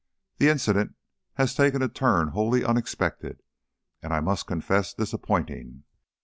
This incident has taken a turn wholly unexpected, and, I must confess, disappointing.